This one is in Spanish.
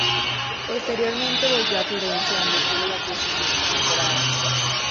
Posteriormente volvió a Florencia donde estuvo las dos siguientes temporadas.